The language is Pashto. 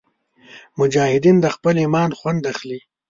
مجاهد د خپل ایمان خوند اخلي.